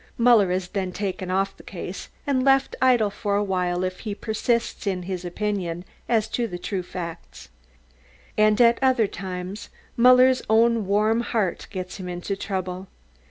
Muller is then taken off the case, and left idle for a while if he persists in his opinion as to the true facts. And at other times, Muller's own warm heart gets him into trouble.